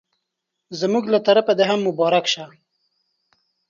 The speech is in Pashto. زموږ له طرفه دي هم مبارک سه